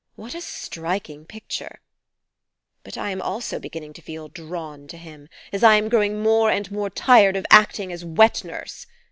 What a striking picture! But I am also beginning to feel drawn to him, as I am growing more and more tired of acting as wetnurse.